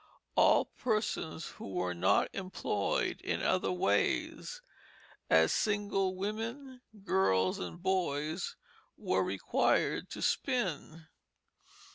All persons who were not employed in other ways, as single women, girls, and boys, were required to spin.